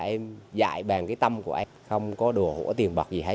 em dạy bàn cái tâm của em không có đùa hổ tiền bật gì hết